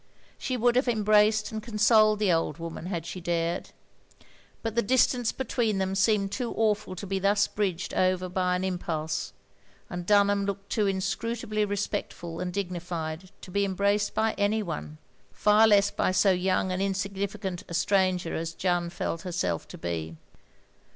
She would have embraced and consoled the old woman had she dared. But the distance between them seemed too awful to be thus bridged over by an impulse, and Dunham looked too inscrutably respectful and dignified to be embraced by any one, — ^far less by so yotmg and insignificant a stranger as Jeanne felt herself to be.